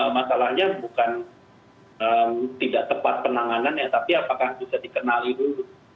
masalahnya bukan tidak tepat penanganannya tapi apakah bisa dikenali dulu